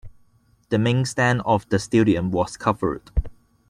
The main stand of the stadium was covered.